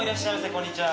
こんにちは。